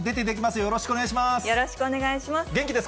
よろしくお願いします。